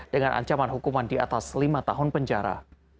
dengan ancaman hukuman di atas lima tahun penjara